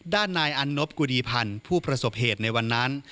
ด้านนายอันนบกุดีพันธ์ผู้ประสบเหตุในวันนั้น